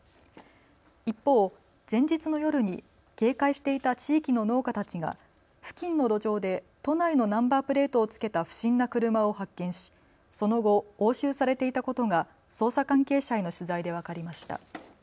一方、前日の夜に警戒していた地域の農家たちが付近の路上で都内のナンバープレートを付けた不審な車を発見し、その後、押収されていたことが捜査関係者への取材で分かりました。